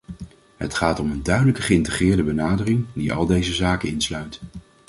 Het gaat om een duidelijk geïntegreerde benadering, die al deze zaken insluit.